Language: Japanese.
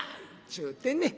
ちゅうてね